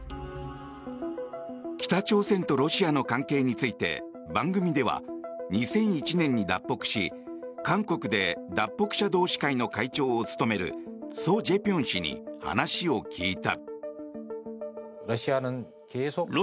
北朝鮮とロシアの関係について番組では２００１年に脱北し韓国で脱北者同志会の会長を務めるソ・ジェピョン氏に話を聞いた。